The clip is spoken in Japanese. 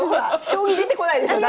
将棋出てこないでしょ